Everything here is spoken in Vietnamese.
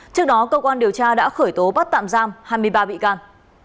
trước đó cơ quan điều tra đã khởi tố bắt tạm giam hai mươi ba bị can